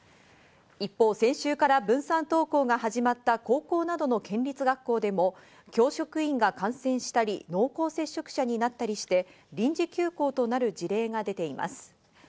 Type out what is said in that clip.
一方、先週から分散登校が始まった高校などの県立学校でも教職員が感染したり濃厚接触者になったりして、臨時休校となる事例が出ています。